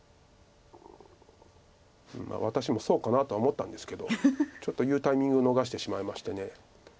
私もそうかなとは思ったんですけどちょっと言うタイミングを逃してしまいまして。